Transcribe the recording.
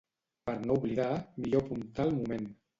Per no oblidar millor apuntar al moment